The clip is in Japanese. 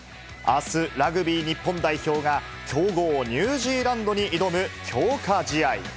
あす、ラグビー日本代表が、強豪ニュージーランドに挑む強化試合。